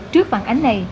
trước bằng ánh này